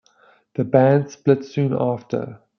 The band split soon after.